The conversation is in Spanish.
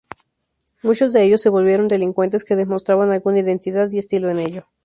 Muchos de ellos se volvieron delincuentes que demostraban alguna identidad y estilo en ello.